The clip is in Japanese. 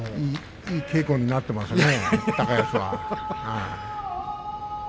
いい稽古になっていますね